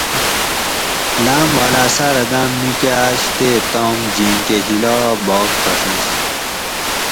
لاۤم والاۤ سارہ داۤم نیکاۤش تے تام جیم کہ ھیلا باک پھڛنش